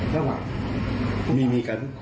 ระหว่าง